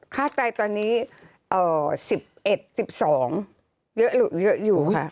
ไตตอนนี้๑๑๑๒เยอะอยู่ค่ะ